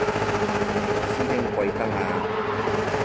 師兄貴庚啊